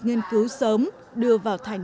nghiên cứu sớm đưa vào thành